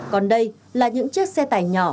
còn đây là những chiếc xe tải nhỏ